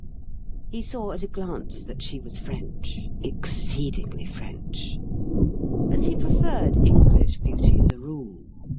He saw at a glance that she was French exceedingly French and he preferred English beauty, as a rule.